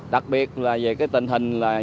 đặc biệt là về cái tình hình là